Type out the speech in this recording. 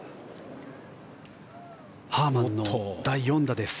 ハーマンの第４打です。